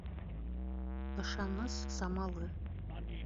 Ышаныс самалы